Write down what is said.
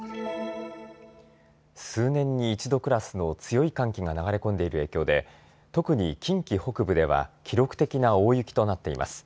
数年に一度クラスの強い寒気が流れ込んでいる影響で特に近畿北部では記録的な大雪となっています。